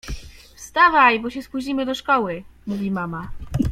— Wstawaj, bo się spóźnimy do szkoły — mówi mama.